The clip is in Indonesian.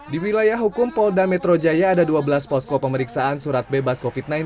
di wilayah hukum polda metro jaya ada dua belas posko pemeriksaan surat bebas covid sembilan belas